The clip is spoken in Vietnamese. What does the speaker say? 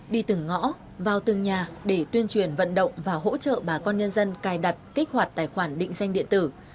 đi từng ngõ vào từng nhà để tuyên truyền vận động và hỗ trợ bà con nhân dân cài đặt kích hoạt tài khoản định danh điện tử